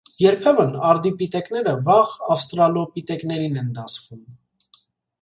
Երբեմն արդիպիտեկները վաղ ավստրալոպիտեկներին են դասվում։